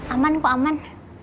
aman kok aman